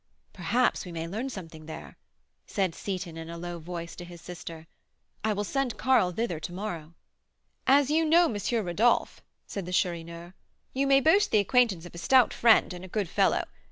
"Perhaps we may learn something there," said Seyton, in a low voice, to his sister. "I will send Karl thither to morrow." "As you know M. Rodolph," said the Chourineur, "you may boast the acquaintance of a stout friend and a good fellow.